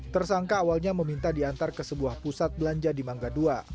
tersangka awalnya meminta diantar ke sebuah pusat belanja di mangga ii